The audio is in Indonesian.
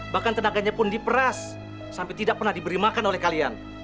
bahkan tenaganya pun diperas sampai tidak pernah diberi makan oleh kalian